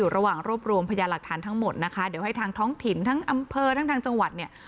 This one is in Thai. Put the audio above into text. ระหว่างรวบรวมพยาหลักฐานทั้งหมดนะคะเดี๋ยวให้ทางท้องถิ่นทั้งอำเภอทั้งทางจังหวัดเนี่ย